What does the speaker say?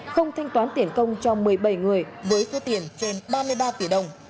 không thanh toán tiền công cho một mươi bảy người với số tiền trên ba mươi ba